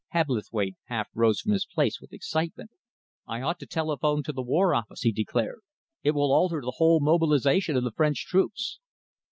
Hebblethwaite half rose from his place with excitement. "I ought to telephone to the War Office," he declared. "It will alter the whole mobilisation of the French troops."